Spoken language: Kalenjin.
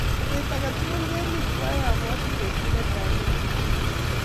Petut ake tukul kemi twai apwoti petut netai ne kikituye.